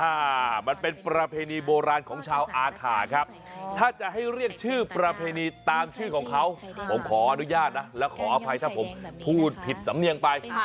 มันเป็นประเพณีโบราณของชาวอาขาครับถ้าจะให้เรียกชื่อประเพณีตามชื่อของเขาผมขออนุญาตนะแล้วขออภัยถ้าผมพูดผิดสำเนียงไป